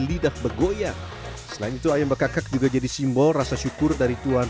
lidah begoyang selain itu ayam bekakak juga jadi simbol rasa syukur dari tuhan